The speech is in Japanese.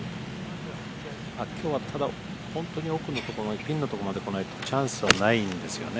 きょうは本当に奥のところのピンのところまで来ないとチャンスはないんですよね。